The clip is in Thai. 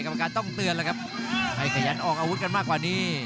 กรรมการต้องเตือนแล้วครับให้ขยันออกอาวุธกันมากกว่านี้